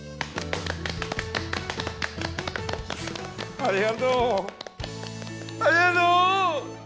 ありがとうありがとう！